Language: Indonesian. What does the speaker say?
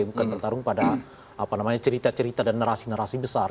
bukan bertarung pada cerita cerita dan narasi narasi besar